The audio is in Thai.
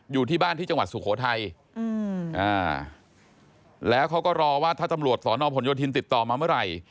อยู่ที่บ้านที่จังหวัดสุโขทัยแล้วเขาก็รอว่าถ้าตำรวจสอนอผลโยธินติดต่อมาเมื่อไหร่